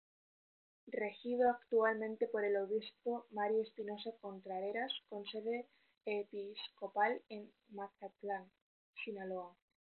Regido actualmente por el obispo Mario Espinosa Contreras, con sede episcopal en Mazatlán, Sinaloa.